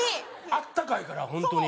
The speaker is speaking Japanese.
あったかいから本当に。